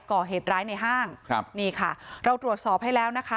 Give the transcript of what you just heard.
ก่อเหตุร้ายในห้างครับนี่ค่ะเราตรวจสอบให้แล้วนะคะ